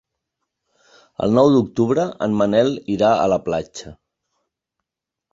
El nou d'octubre en Manel irà a la platja.